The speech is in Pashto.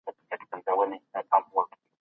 زه هر وخت د ځان ساتني ته پام کوم.